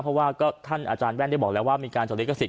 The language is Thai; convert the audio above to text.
เพราะว่าก็ท่านอาจารย์แว่นได้บอกแล้วว่ามีการจดลิขสิท